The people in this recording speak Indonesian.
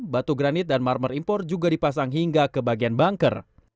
batu granit dan marmer impor juga dipasang hingga ke bagian banker